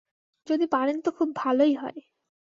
যদি পারেন তো খুব ভালই হয়।